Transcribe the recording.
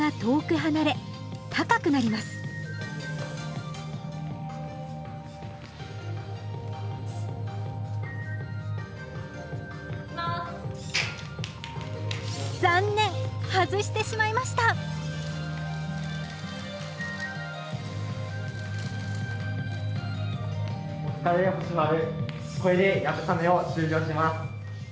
これでやぶさめを終了します。